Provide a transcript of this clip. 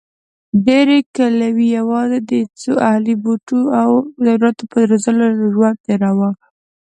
ډېرې کلیوې یواځې د څو اهلي بوټو او حیواناتو په روزلو ژوند تېراوه.